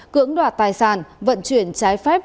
cưỡng đoạt tài sản vận chuyển trái phép